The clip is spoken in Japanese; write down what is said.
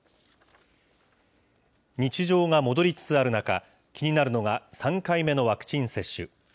日常が戻りつつある中、気になるのが、３回目のワクチン接種。